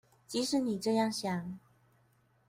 即使你這樣想